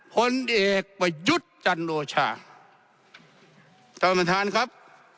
พลเอกประยุทธ์จังโรชาะต้นมาทานครับ